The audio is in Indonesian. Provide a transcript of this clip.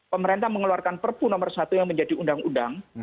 pemerintah mengeluarkan perpu nomor satu yang menjadi undang undang